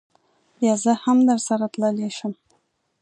بیا زه هم درسره تللی شم.